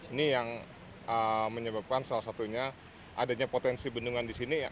ini yang menyebabkan salah satunya adanya potensi bendungan di sini